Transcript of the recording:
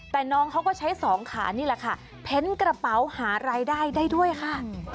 แต่น้องเขาก็ใช้สองขานี่แหละค่ะเพ้นกระเป๋าหารายได้ได้ด้วยค่ะ